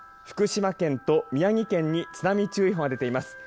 福島県と宮城県に津波注意報が出ています。